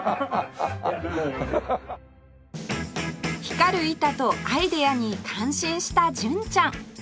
光る板とアイデアに感心した純ちゃん